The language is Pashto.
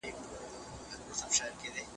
ږغ د زهشوم له خوا اورېدل کيږي!!